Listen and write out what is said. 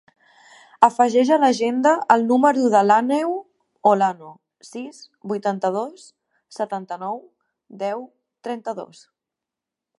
Afegeix a l'agenda el número de l'Àneu Olano: sis, vuitanta-dos, setanta-nou, deu, trenta-dos.